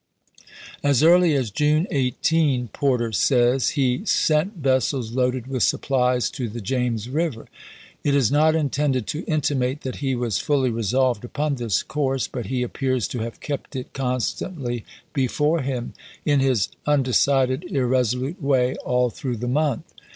" As early as June 18," Porter says, Leldfrs he " sent vessels loaded with supplies to the James civ°i war." River." It is not intended to intimate that he was ^^}'£'; fully resolved upon this course ; but he appears to have kept it constantly before him, in his unde cided, irresolute way, all through the month.